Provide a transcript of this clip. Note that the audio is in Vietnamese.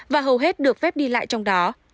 và hầu hết được phép đi lại trong đó